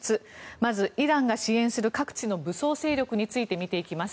まず、イランが支援する各地の武装勢力について見ていきます。